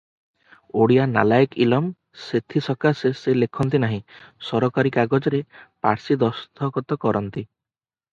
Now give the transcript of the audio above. ଓଡ଼ିଆ ନାଲାଏକ୍ ଇଲମ, ସେଥିସକାଶେ ସେ ଲେଖନ୍ତି ନାହିଁ, ସରକାରୀ କାଗଜରେ ପାର୍ଶି ଦସ୍ତଖତ କରନ୍ତି ।